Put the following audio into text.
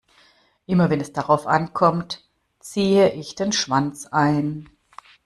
Immer wenn es darauf ankommt, ziehe ich den Schwanz ein.